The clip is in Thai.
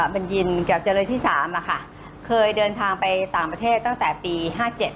บัญญินกับจำเลยที่๓อะค่ะเคยเดินทางไปต่างประเทศตั้งแต่ปี๕๗